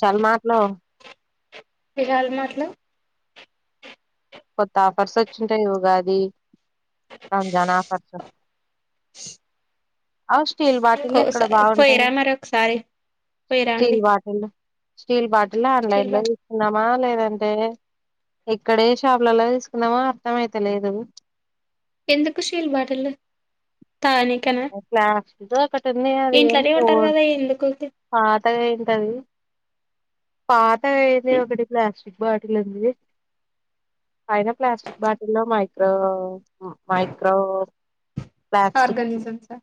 చాలా మాట్లు హిరల్ మాట్లు కొత్త ఆఫర్స్ వచ్చింటాయి ఉగాది రంజాన్ ఆఫర్స్ స్టీల్ బాటిళ్లు ఎక్కడ బాగుంటాయి పోయిరా మరి ఒకసారి పోయిరా అండి స్టీల్ బాటిళ్లు స్టీల్ బాటిళ్లు స్టీల్ ఆన్లైన్ లో బాటిల్ తీసుకుందామా లేదంటే నె ఇక్కడే షాపులలో తీసుకుందామా అర్థం అయితలేదు ఎందుకు స్టీల్ బాటిల్లు ప్లాస్టిక్ దో ఒకటి ఉంది అది ఏం ఇంట్లోనే పో ఉంటారు కదా ఎందుకు పాతగాయింటది పాతగా అయింది. ఒకటి ప్లాస్టిక్ బాటిల్ ఉంది. పైన ప్లాస్టిక్ బాటిల్లో మైక్రో మైక్రో ఆర్గానిజమ్స్ ఆ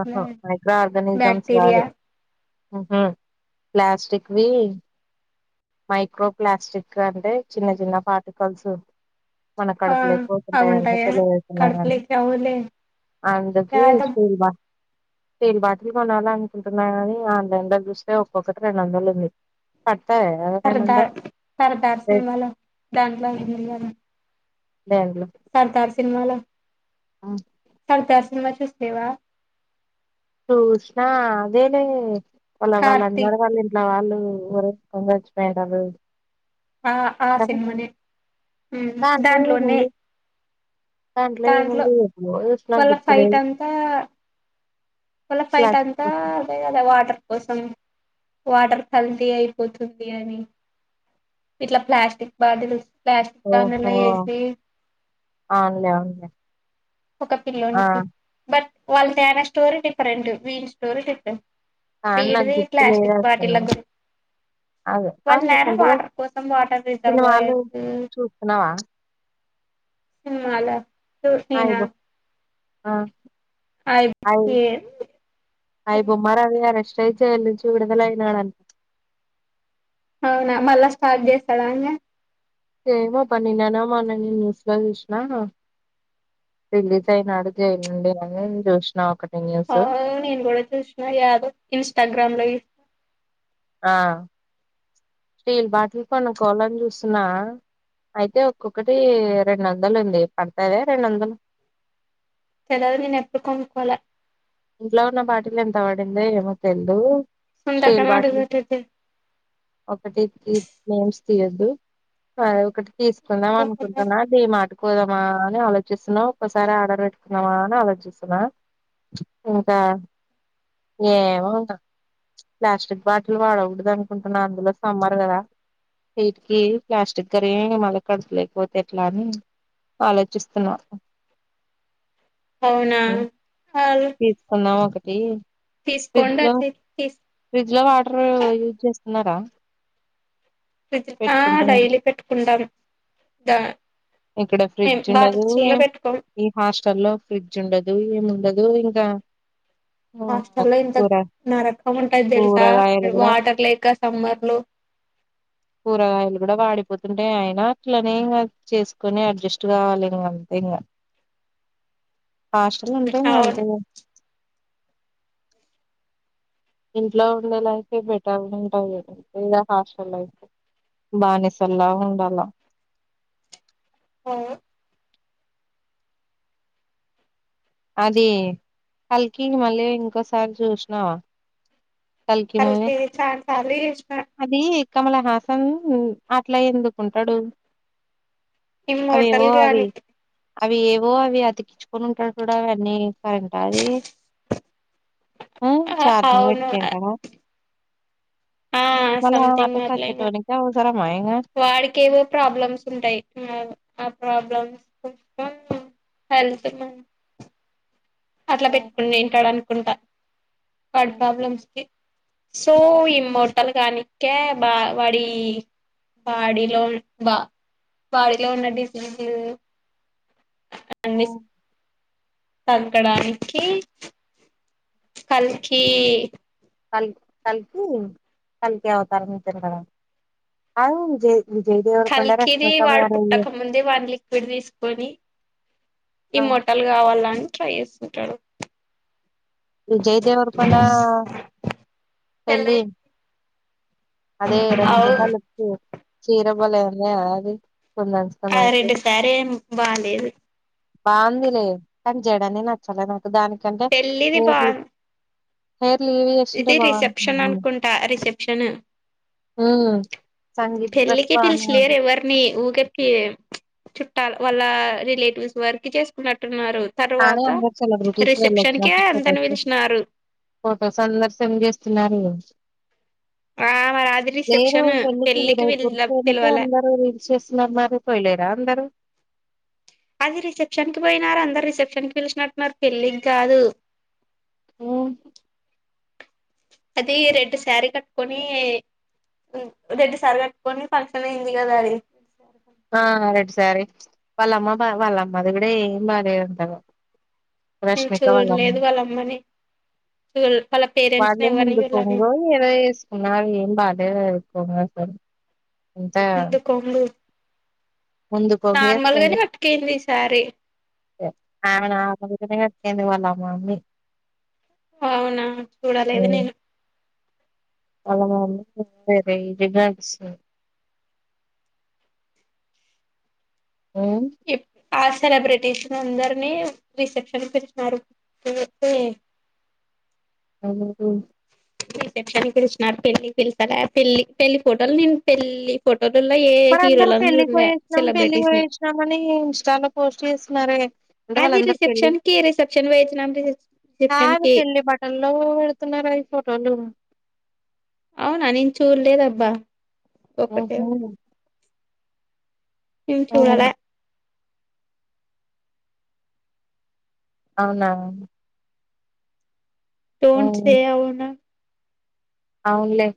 ఆహో మైక్రో ఆర్గనిజమ్స్ బ్యాక్టీరియా గాదు ఉహ ప్లాస్టిక్‌వి మైక్రో ప్లాస్టిక్ అంటే చిన్న చిన్న పార్టికల్స్ మన ఆ కడుపులోకి అవి పోతుంటాయంట ఉంటాయా తెలియకుండానే కడుపులోకి అవులే అందుకే యాదో స్టీల్ బా స్టీల్ బాటిల్ కొనాలనుకుంటున్నానని, ఆన్లైన్ లో చూస్తే ఒక్కొక్కటి రెండు వందలు ఉంది. పడ్ సర్ధార్ సర్దార్ రేట్ సినిమాలో దాంట్లో ఉందికదా దేంట్లో సినిమాలో ఆ సర్దార్ సినిమా చూసిలేవా చూష్ణ అదేలే వాళ్ళ వాళ్ళ కార్తీక్ అన్నారుగా వాళ్ళ ఇంటి వాళ్ళు హ్మ్ ఉరేసుకొని సచ్చిపోయిండన ఆ ఆ సినిమానే హ్మ్ దాంట్లో దాంట్లోనే ఏముంది దాంట్లో ఏముంది. ఎప్పుడో చూసినా వాళ్ళ ఫైట్ గుర్తులేదు. అంతా వాళ్ళ ఫైట్ అంతా ప్లాస్టిక్ అదేగ వాటర్ కోసం వాటర్ ఫల్తీ అయిపోతుంది అని ఇట్లా ప్లాస్టిక్ బాటిల్స్ ప్లాస్టిక్ దానిలో ఓహో వేసి అవునులే అవున్లే ఒక పిల్లోనికి బట్ వాళ్ళ తేన స్టోరీ డిఫరెంట్ వీని స్టోరీ డిఫరెంట్ కానీ నాకు పీడిది గుర్తులేదు ప్లాస్టిక్ అసలు బాటిల గు అదే ఆ వానేర రీసెంట్ గా వాటర్ కోసం వాటర్ రిజర్వ్ సినిమాలు యర్స్ చూస్తున్నావా సినిమాల్ సూసినా ఆ అయి అయిబోమ రాసార సి ట్రై చేయాలి చూడదల యినాడని అవునా మళ్ళా స్టార్ట్ చేస్తాడా ఇంగా ఏమో పన్నినానా మా నన్న న్యూస్ లో చూసినా రిలీజ్ అయినాడు. జైలు నుండి అని చూసిన. ఒకట్ ఆ నేను కూడా చూసిన యాదవ్ ఇన్స్టాగ్రామ్ లో ఆ స్టీల్ బాటిల్ కొనుక్కోవాలని చూస్తున్నా. అయితే ఒక్కొక్కటి రెండు వందలుంది. పడతద రెండు వందల్ తెలవదు నేను ఎప్పుడు కొనుక్కోల ఇంట్లో ఉన్న బాటిల్ ఎంత పడింది ఏమో తెలి దు. సొంత స్టీల్ బాటిల్ అడుగుతుంది ఒకటి ఏంది ఆ ఒకటి తీసు కొందాం అనుకుంటున్నా డిమార్ట్, పోదామా అని ఆలోచిస్తున్న, ఒక్కసారి ఆర్డర్ పెట్టుకుందామా అని ఆలోచిస్తున్నా, ఇంకా ఏమ ప్లాస్టిక్ బాటిల్ వాడకూడదు అనుకుంటున్నా, అందులో సమ్మర్ కదా వీటికి ప్లాస్టిక్ కరిగి మళ్ళ కరిగి పోతే ఎట్లా అని ఆలోచిస్తున్నా. అవునా ఆ ఆ ఒకటి ఫ్రిడ్జ్ లో ఫ్రిడ్జ్ లో వాటర్ యూజ్ చేస్త తిన్నారా తీసు ఆ పెట్టుకుంటాన్నాం డైలీ పెట్టుకుంటాం దా ఇక్కడ మేము ఫ్రిడ్జ్ ఉండదు, బాటిల్స్లో పెట్టుకోం ఈ హాస్టల్ లో ఫ్రిడ్జ్ ఉండదు. అ ఆ హాస్టల్ లో ఎంత కూర నరకం ఉంటాది, తెలుసా కూరగాయలు కూడా వాటర్ లేక సమ్మర్ లో పోతుంటే అయినా అట్లనే ఇగా చేసుకొని అడ్జస్ట్ కావాలి ఇంకా అంతే ఇంకా హస్టల్ లో ఉంటే మరి అవును అంతే ఇంట్లో ఉండే లైఫ్ బయట ఉంటాయి, ఇడా హాస్టల్ లైఫ్ బానిసలా ఉండాల, ఆ అది కల్కి మళ్ళీ ఇంకోసారి చూసినావా, కల్కి చానా సార్లు చూసిన, కమల హాసన్ అట్లా ఎందుకుంటాడు. ఈ మెటల్ అవేవో అవి గానికి అవి ఏవో అవి అతికించుకొని ఉంటాడు. చూడాలని ఏంటి అది ఫోన్ ఛార్జింగ్ అవును పెటుకుంటాడా, ఆ సంథింగ్ అట్లా ఇగా సచ్చేటోనికి అవసరమా వాడికి ఏవో ప్రాబ్లమ్స్ ఉంటాయి, ఆ ప్రాబ్లమ్స్ హెల్త్ మ అట్లా ఇంగ పెట్టుకొండూ ఏంటి ఆడని కుంట వాడి ప్రాబ్లమ్స్ కి సో ఈమోటల్ కానికే బా వాడి బాడీలో బా బాడీలో ఉన్న డిసీజు అన్ని తగ్గడానికి కల్కి కల్ కల్కి కల్కి అవతారం ఎత్తడంటావా అవును విజయ్, విజయ్ దేవరకొండ కల్కిది రష్మిక వాడు మ్యారేజ్ పుట్టక ముందే వాడి లిక్విడ్ తీసుకొని ఈ మోటల్ కావాలని, ట్రై చేస్తుంటరు, ఈ జయదేవర్ కొండ పెళ్ళై పెళ్ళి అదే అవు రష్మిక [unintelligible] చీర పోలే అన్నా అది కుందన్స్ ఆ కుందన్స్ రెండు సారేం బాలేేదు బాగుందిలే కానీ జడనే నచ్చలే న దానికంటే పెళ్ళిది బా [unintelligible] లీవ్ చేసింటే ఇది రిసెప్షన్ అనుకుంటా రిసెప్షను మ్ పెళ్ళికి పిలిచలేరు ఎవరిని ఊకెప్పి చుట్టాల వాళ్ళ రిలేటివ్స్ వరకి చేసుకున్నట్టున్నారు కానీ తర్వాత అందరు సెలబ్రిటీస్ వెళ్ళొ రిసెప్షన్ కే అంతని [unintelligible] పిలిచినారు ఫొటోస్ అందరు సెండ్ చేస్తున్నారు. ఆ మరి అది లేేను రిసెప్షన్ ఒక పెళ్ళకి పెళ్ళికి దయ పిల పర్కు వెనకే పిలవాలే అందరు రీల్స్ చేస్తున్నారు, మరి పోయలేరా అందరు అది రిసెప్షన్ కి పోయినారా అందరు రిసెప్షన్ కి పిలిచినట్టున్నారు పెళ్ళికి కాదు ఆ అది రెడ్ శారీ కట్టుకొని రెడ్ శారీ కట్టుకొని ఫంక్షన్ అయింది కదా అది ఆ రెడ్ సారి వాళ్ళమ్మ బా వాళ్ళమ్మది కూడా ఏం బాగాలేదు అంతగా నేను రష్ష్మిక వళ్ళమా చూడలేదు వాళ్ళ అమ్మని చూ వాళ్ళ పేరెంట్స్ వాళ్ళ ని ఎవరిని చూడలే ముందుకోంగ నేను ఏదో వేసుకున్నారు ఏం బాగాలేదు అ అందు కొంగు ముందు కొంగు నార్మల్ ఏసుకొని గానే కట్టుకొనింది సారి ఆవున కడింది వాళ్ళ మా అమ్మీ అవునా చూడాలేదు నేను రే ఇదిగా స అ ఇప్ ఆ సెలబ్రిటీష్ అందరినీ రిసెప్షన్ పెలిచ్చినారు [unintelligible] [unintelligible] రిసెప్షన్ పిలిచినన్నారు పెళ్ళికి వెళ్తారా పెళ్లి పెళ్లి ఫోటోలు నేను పెళ్ళి ఫోటో మనందరూ పెళ్ళి పోయేసినాం పెళ్ళి సెలబ్రిటీస్ ని పోయేసినాం అని ఇంస్టాలో పోస్ట్ చేస్నారే అంటే అది వాళ్ళందరు పెళ్లి రిసెప్షన్ కి రిసెప్షన్ పోయిచ్చినాం అ రిసెప్షన్ కి అవునా నేన్ చూలేదబ్బా ఆఒ నేన్ చూడాలే హ్మ్. అవునా టోట్ ఉమ్ స అవునా అవునులే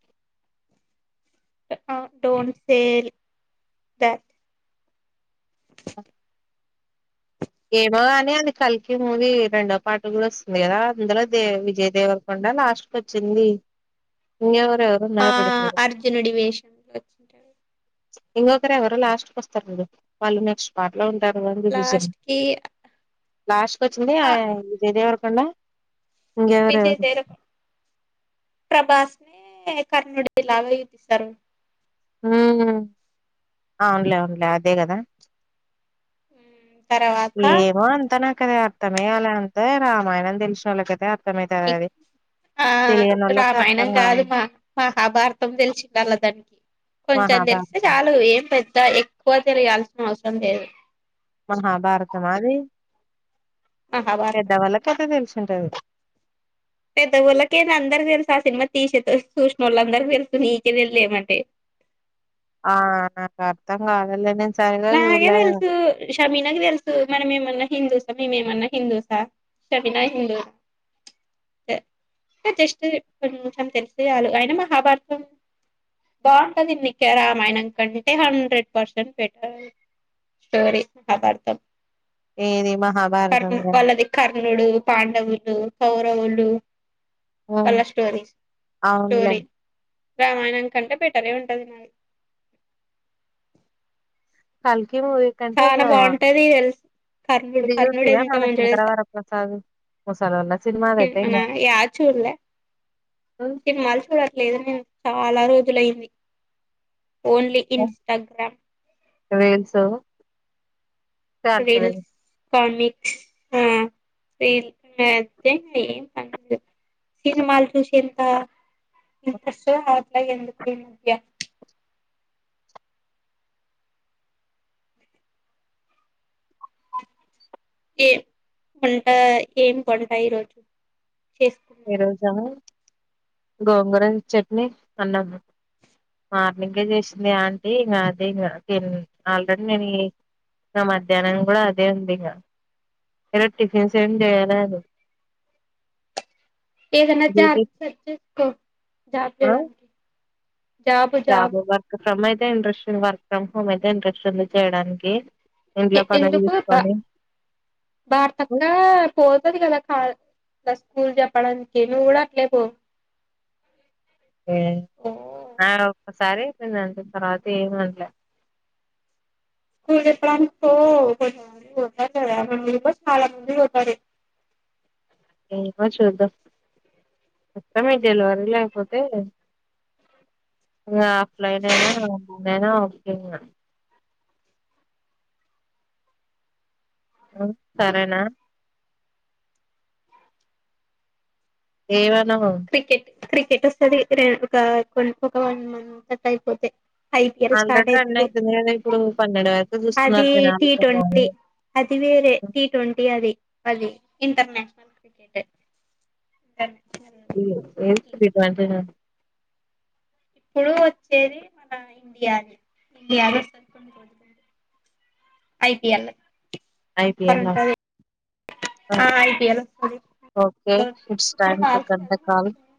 డోంట్ సే దట్ ఏమోగాని అది కలికి మూది రెండో పాటు కూడా వస్తుంది కదా అందులో దే విజయ దేవరకొండ లాస్ట్ లో వచ్చింది ఇవ. ఆ అర్జునుడి వేషంలో ఇంకొకరు ఎవరు లాస్ట్ క వస్తారండి వాళ్ళు నెక్స్ట్ పార్ట్. ఎలా ఉంటారు వంది విషయం లాస్ట్ కి లాస్ట్ వచ్నే ఆయా విజయ్ దేవరకొండ విజయ ఇంకెవరెవరు తెర ప్రభాస్ కనుడ లాభ ఇ తీ సార్ ఆ ఉన్లే ఉన్లే అదే కదా ఉ ఏమో అంతా నా కద మేయాల అంతే రామాయణం తెలిసిన వాళ్ళు కైతే అర్థం నకు ఆ రామాయణం కాదు మా మహాభారతం తెలిసి వాళ్ళ దానికి కొంచెం మహాభారత తెలిస్తే చాలు ఏం పె ఇ ఎక్కువ తిరగాల్సిన అవసరం లేదు మహాభారత మాది పెద్ద మహాభారతం వాళ్లకయితే తేలుసు ఉంటది పెద్దవాళ్లకయితే అందరికి తేల్సు ఆ సినిమా తిషేట్ చూసినోళ్లందరికి తేల్సు నీకే తేలియలే ఎమంటే. ఆ నాకు అర్థం కాదల్లె నేన్ నాగే తెల్సు ఇష్ కమీనాకు తెలుసు మనం ఏమన్నా హిందూసా మేమేమన్నా హిందూసా స్టఫినయి హిందూ జస్ట్ కొంచెం తెలిస్తే చాలు ఆయన మహాభారతం బాగుంటది మీకె రామాయణం కంటే హండ్రెడ్ పర్సెంట్ బెట్. స్టోరీ అపార్థం ఏది మహాభారతం కర్ణ్ దా వాళ్ళది కర్ణుడు పాండవులు కౌరవుల్లు ఉమ్ కళ్ల స్టోరీస్ అవునులే స్టోరీ రామాయణం కంటే బెటరె ఉంటది నాది కల్ చాలా బాగుంటది తెల్స్ కర్ణుడు ఇది కర్ణుడు చూసివా ఎంత మన మంచిగా తేల్స శంకరవరప్రసాద్ ముసలోళ్ళ సినిమాదైతే సినిమానా ఇంగా ఎడ్ చూడలే సినిమాలు చూడట్లేదు నేను. చాలా రోజులయింది ఓన్లీ ఇన్స్టాగ్రామ్ ఇవెల్స్ కాన్ఫిడెంట్ రీల్స్ కామిక్స్ ఆ ఈ మద్య ఏం పనిలేద్ సినిమాలు చూసెంత మీ సిస్టర్ హ్యప్ అలా ఎందుక్ పొయింది ముఖ్య ఏ కొంట ఏం కొంట ఈ రోజు ఈ రోజా గోంగూర చట్నీ అన్నము మార్నింగే చేసింది ఆంటీ ఇంగ అదే ఇంగ తిన్ ఆల్రెడీ నేని ఇంగ మధ్యాహ్నం కూడా అదే ఉంది ఇంగ ఈ రోజ్ టిఫిన్స్ ఏం చేయరాదు ఏదన్నా జార్జ్ సెర్చ్ చేసుకొ జాబ్ చేయడానికి జాబు వర్క్ ఫ్రమ్ అయిత్ యితే ఇంట్రెస్టేడ్ వర్క్ ఫ్రమ్ హోమ్ అయితే ఇంట్రెస్ట్ ఉంది చేయడానికి ఎ ఇంట్లో పనులు ఎందుకు త్త చూసుకొని భారతక్క పోతది కద కా ఇట్ల స్కూల్ చేప్పడానికి నువ్ కూడా అట్లే పో ఎ ఓ ఆవ్ ప్రత్సారి చెయమంటద్ తరువాత ఏమాన్లే స్కూల్ చెప్పడానికి పో కొంచం అలు ఇలు ఉంటారు గదా వాల్ మీతో స్మాలర్ నుండి చేప్తది ఏమొ చూద్దాం కష్టమే డెలివరీలు అయిపోతే ఇగ ఆఫ్లైన్ అయినా ఆన్లైన్ అయిన ఓకే ఇగ ఉ సరేనా ఏవత్ లవొ క్రికెట్ క్రికెట్ వస్తది రం ఒక కొ ఒక వన్ మంత్ తట్ అయిపోతే ఐపీఎల్ స్టార్ట్ ఆల్రెడీ రన్ అయితది అవుతుంది కదా ఇప్పుడు పన్నెండు వరకు అది చూస్తున్నారు జనాలు టి కొంతమంది ట్వంటీ అది వేరే టి ట్వంటీ అది అది ఇంటర్నేషనల్ క్రికెట్ ఇర్ ఏంటిది ఆన్లైనా ఇప్పుడు వచ్చేది మన ఇండియాని ఇండియానే వస్తది ఐపిఎల్ ఐపిిఎల్ ఆ ఐపీఎల్ వస్తది ఓకే ఇట్స్ ఇప్పుడు టైం టూ కాల్స్ కట్ కదా ద కాల్ నడుస్తుంది